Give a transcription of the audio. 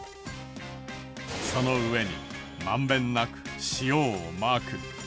その上にまんべんなく塩をまく。